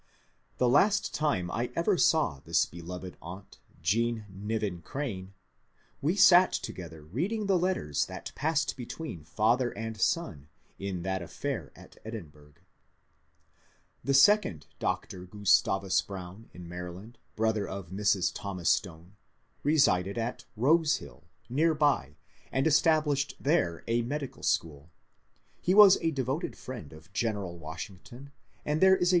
The last time I ever saw this beloved aunt Jean Niven Crane, we sat together reading the letters that passed between father and son in that affair at Edinburgh. THE PETTONS AND WASHINGTONS 6 The second Dr. Gnstayus Brown in Maryland, brother of Mrs. Thomas Stone, resided at ^^ Bose Hill," near by, and established there a medical schooL He was a devoted friend of General Washington, and there is a